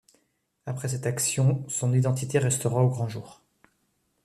Après cette action son identité restera au grand jour.